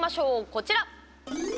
こちら！